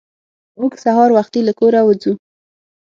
موږ سهار وختي له کوره وځو.